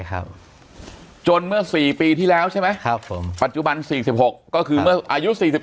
ครับจนเมื่อ๔ปีที่แล้วใช่ไหมครับผมปัจจุบัน๔๖ก็คือเมื่ออายุ๔๒